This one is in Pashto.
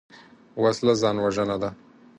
وسله ځان وژنه ده